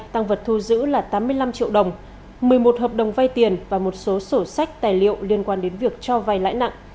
tăng vật thu giữ là tám mươi năm triệu đồng một mươi một hợp đồng vay tiền và một số sổ sách tài liệu liên quan đến việc cho vay lãi nặng